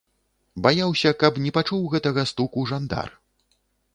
Баяўся, каб не пачуў гэтага стуку жандар.